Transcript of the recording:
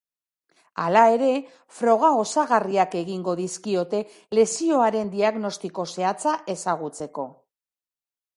Hala ere, froga osagarriak egingo dizkiote lesioaren diagnostiko zehatza ezagutzeko.